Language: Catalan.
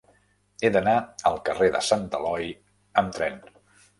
He d'anar al carrer de Sant Eloi amb tren.